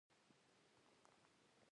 مالګه د زخمونو ضد خاصیت لري.